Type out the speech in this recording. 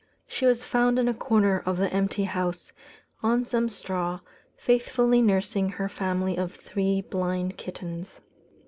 She was found in a corner of the empty house, on some straw, faithfully nursing her family of three blind kittens.